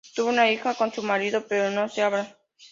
Tuvo una hija con su marido, pero no se hablan.